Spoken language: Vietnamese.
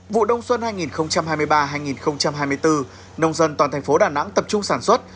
vụ đông xuân hai nghìn hai mươi ba hai nghìn hai mươi bốn nông dân toàn thành phố đà nẵng tập trung sản xuất